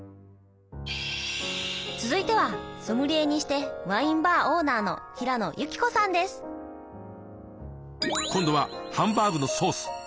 続いてはソムリエにしてワインバーオーナーの今度はハンバーグのソース！